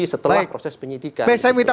setelah proses penyelidikan baik saya minta